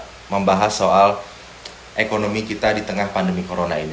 kita membahas soal ekonomi kita di tengah pandemi corona ini